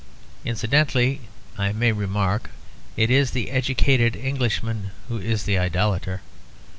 Incidentally, I may remark, it is the educated Englishman who is the idolater.